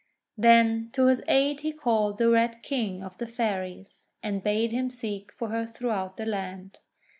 Then to his aid he called the Red King of the Fairies, and bade him seek for her throughout the land.